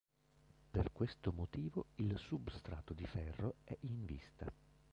Per questo motivo il substrato di ferro è in vista.